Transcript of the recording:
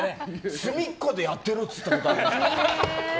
隅っこでやってろ！って言ったことある。